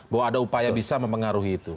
bahwa ada upaya bisa mempengaruhi itu